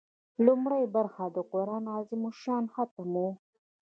لومړۍ برخه د قران عظیم الشان ختم و.